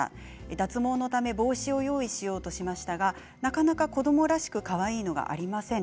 脱毛のため帽子を用意しようとしましたがなかなか子どもらしくかわいいものがありません。